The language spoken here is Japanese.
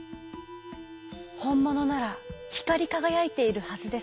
「ほんものならひかりかがやいているはずです。